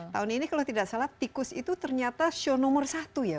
tahun ini kalau tidak salah tikus itu ternyata show nomor satu ya